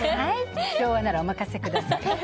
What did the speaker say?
昭和ならお任せください。